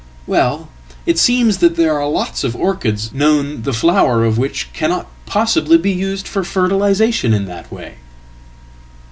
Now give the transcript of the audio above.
Well, it seems that there are lots of orchids known the flower of whichcannot possibly be used for fertilisation in that way.